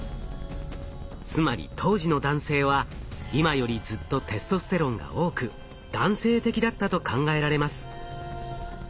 つまり当時の男性は今よりずっとテストステロンが多く男性的だったと考えられます。